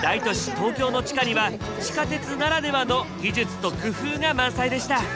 東京の地下には地下鉄ならではの技術と工夫が満載でした。